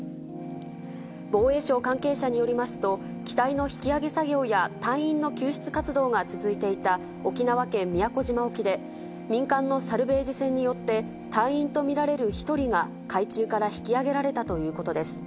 防衛省関係者によりますと、機体の引き揚げ作業や隊員の救出活動が続いていた沖縄県宮古島沖で、民間のサルベージ船によって、隊員と見られる１人が海中から引き揚げられたということです。